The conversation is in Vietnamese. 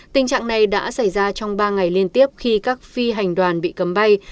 tình trạng này đã xảy ra trong ba ngày liên tiếp khi các phi hành đoàn bị cấm bay